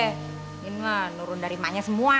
ini mah nurun dari emaknya semua